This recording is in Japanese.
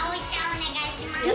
おねがいします。